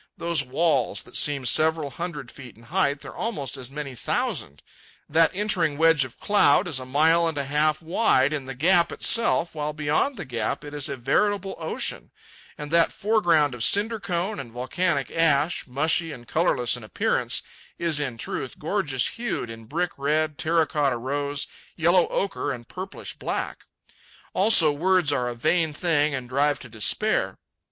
Those walls that seem several hundred feet in height are almost as many thousand; that entering wedge of cloud is a mile and a half wide in the gap itself, while beyond the gap it is a veritable ocean; and that foreground of cinder cone and volcanic ash, mushy and colourless in appearance, is in truth gorgeous hued in brick red, terra cotta rose, yellow ochre, and purplish black. Also, words are a vain thing and drive to despair.